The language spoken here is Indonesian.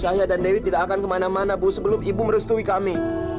saya dan dewi tidak akan kemana mana bu sebelum ibu merestui kami